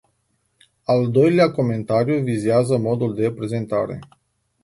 Al doilea comentariu vizează modul de prezentare.